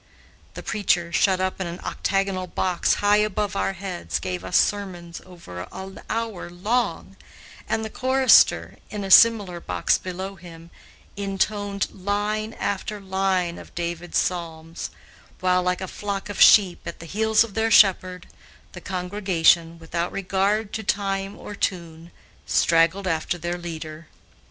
The preacher, shut up in an octagonal box high above our heads, gave us sermons over an hour long, and the chorister, in a similar box below him, intoned line after line of David's Psalms, while, like a flock of sheep at the heels of their shepherd, the congregation, without regard to time or tune, straggled after their leader.